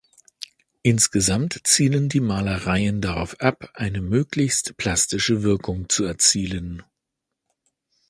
Insgesamt zielen die Malereien darauf ab, eine möglichst plastische Wirkung zu erzielen.